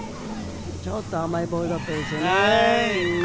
ちょっと甘いボールでしたよね。